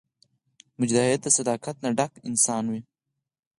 مجاهد د صداقت نه ډک انسان وي.